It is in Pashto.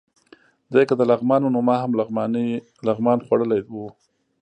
دی که د لغمان و، نو ما هم لغمان خوړلی و.